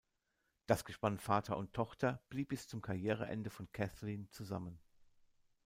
Das Gespann Vater und Tochter blieb bis zum Karriereende von Cathleen zusammen.